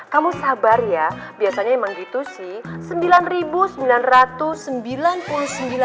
kamu sabar ya biasanya emang gitu sih